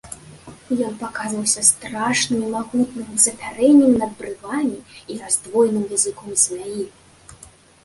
Ён паказваўся страшным і магутным, з апярэннем над брывамі і раздвоеным языком змяі.